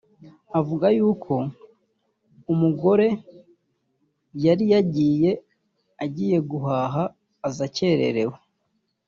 avuga y’ uko umugore yari yagiye agiye guhaha aza akerewe